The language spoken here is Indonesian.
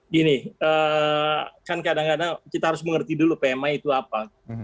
gini kan kadang kadang kita harus mengerti dulu pmi itu apa